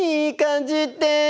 「いい感じ」って！